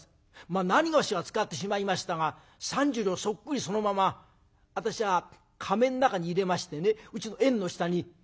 まあなにがしは使ってしまいましたが３０両そっくりそのまま私はかめの中に入れましてねうちの縁の下に埋めてあるんです。